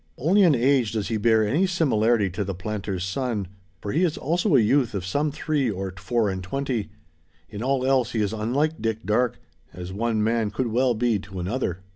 Only in age does he bear any similarity to the planter's son; for he is also a youth of some three or four and twenty. In all else he is unlike Dick Darke, as one man could well be to another.